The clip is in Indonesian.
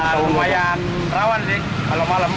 lumayan rawan sih kalau malam